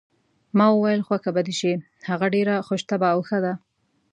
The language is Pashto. ما وویل: خوښه به دې شي، هغه ډېره خوش طبع او ښه ده.